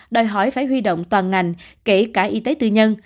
đòi hỏi phải huy động toàn ngành kể cả y tế tư nhân